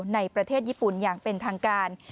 ในประเทศญี่ปุ่นอย่างเป็นทางการ